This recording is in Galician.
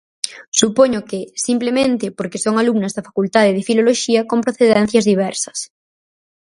Supoño que, simplemente, porque son alumnas da Facultade de Filoloxía con procedencias diversas.